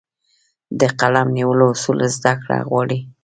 د قلم نیولو اصول زده کړه غواړي.